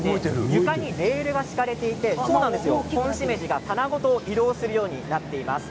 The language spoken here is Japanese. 床にレールが敷かれていてホンシメジが棚ごと移動するようになっています。